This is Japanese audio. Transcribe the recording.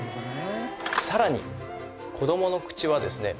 さらに子どもの口はですね